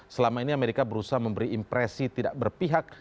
selama ini amerika berusaha memberi impresi tidak berpihak